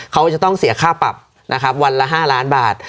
เขาจะต้องเสียค่าปรับนะครับวันละ๕ล้านบาท